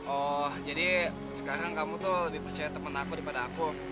oh jadi sekarang kamu tuh lebih percaya teman aku daripada aku